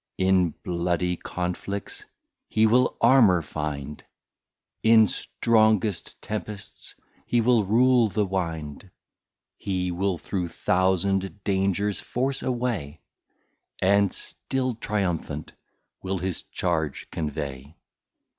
In bloody Conflicts he will Armour find, In strongest Tempests he will rule the Wind, He will through Thousand Dangers force a way, And still Triumphant will his Charge convey.